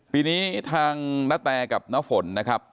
ปีนี้ทางณแตกับน้าฝนนะครับ